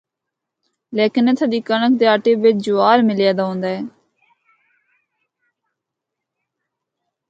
لیکن اتھا دی کنڑک دے آٹے بچ جوار ملیا دا ہوندا ہے۔